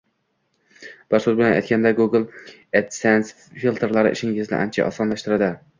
Bir so’z bilan aytganda, Google adsense filtrlari ishingizni ancha osonlashtiradi